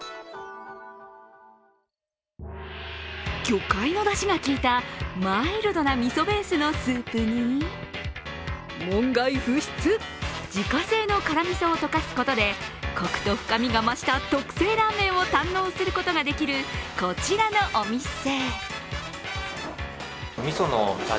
魚介のだしがきいたマイルドなみそベースのスープに、門外不出、自家製の辛みそを溶かすことでコクと深みが増した特製ラーメンを堪能することができるこちらのお店。